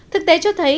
thực tế cho thấy